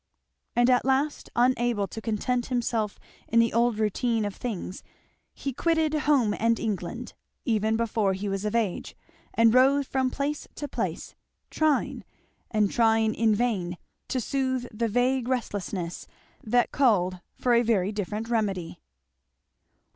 And at last unable to content himself in the old routine of things he quitted home and England, even before he was of age, and roved from place to place, trying, and trying in vain, to soothe the vague restlessness that called for a very different remedy.